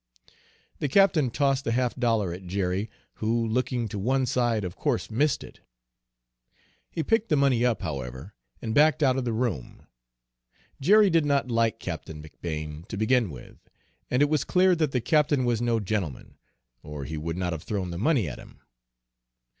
The captain tossed the half dollar at Jerry, who, looking to one side, of course missed it. He picked the money up, however, and backed out of the room. Jerry did not like Captain McBane, to begin with, and it was clear that the captain was no gentleman, or he would not have thrown the money at him.